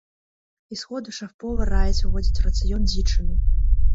І з ходу шэф-повар раіць уводзіць у рацыён дзічыну.